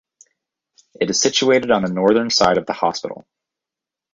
It is situated on the northern side of the hospital.